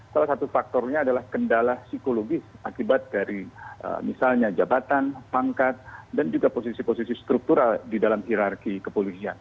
salah satu faktornya adalah kendala psikologis akibat dari misalnya jabatan pangkat dan juga posisi posisi struktural di dalam hirarki kepolisian